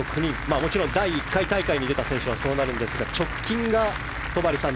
もちろん第１回大会に出た選手はそうなるんですが直近が戸張さん